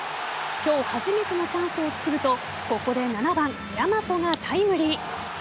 今日初めてのチャンスを作るとここで７番・大和がタイムリー。